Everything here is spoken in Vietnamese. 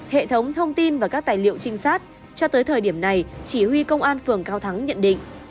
hệ thống thông tin và các tài liệu trinh sát cho tới thời điểm này chỉ huy công an phường cao thắng nhận định